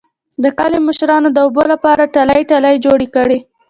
د کلي مشرانو د اوبو لپاره ټلۍ ټلۍ جوړې کړې